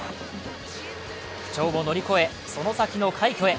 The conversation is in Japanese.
不調を乗り越え、その先の快挙へ。